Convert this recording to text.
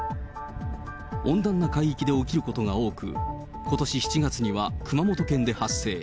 温暖な海域で起きることが多く、ことし７月には熊本県で発生。